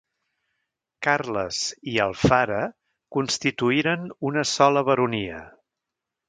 Carles i Alfara constituïren una sola baronia.